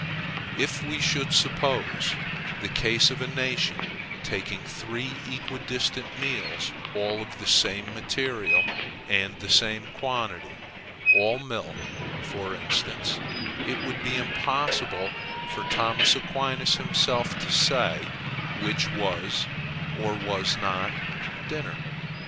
If we should suppose the case of a nation taking three equidistant meals all of the same material and the same quantity, all milk, for instance, it would be impossible for Thomas Aquinas himself to say which was or was not dinner.